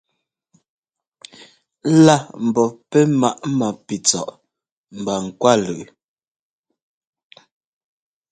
Lá ḿbɔ́ pɛ́ maꞌ mápitsɔꞌ mba ŋkwálʉꞌ.